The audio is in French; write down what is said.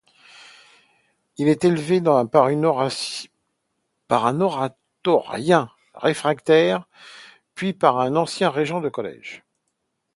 Il est élevé par un oratorien réfractaire puis par un ancien régent de collège.